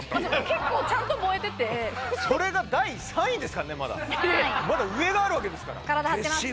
結構ちゃんと燃えててそれが第３位ですからねまだまだ上があるわけですから体張ってます